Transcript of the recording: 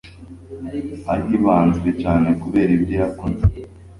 ahibanzwe cyane kubera ibyo yakoze